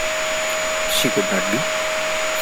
She could not be.